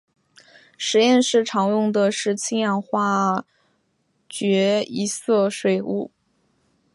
实验室常用的是氢氧化铯一水合物。